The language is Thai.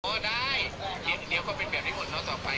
พี่อ๋อได้เดี๋ยวเขาไปแบบนี้หมดแล้วต่อไป